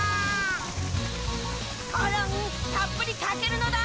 コロンたっぷりかけるのだ！